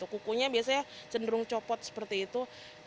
kukunya biasanya cenderung copot seperti itu